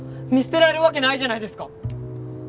見捨てられるわけないじゃないですか。